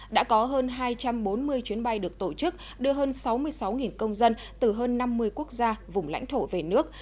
đã có hơn hai trăm bốn mươi chuyến bay được tổ chức đưa hơn sáu mươi sáu công dân từ hơn năm mươi quốc gia vùng lãnh thổ về nước